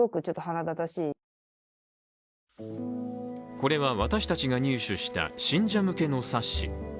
これは私たちが入手した信者向けの冊子。